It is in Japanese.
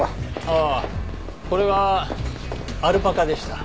ああこれはアルパカでした。